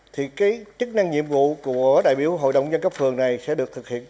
thì cái chức năng nhiệm vụ của đại biểu hội đồng nhân cấp phường này sẽ được thực hiện